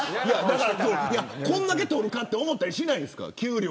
これだけ取るかって思ったりしないですか。